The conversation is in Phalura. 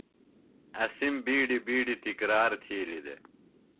اسِم بِیڈیۡ بِیڈیۡ تِکرار تِھیلیۡ دےۡ۔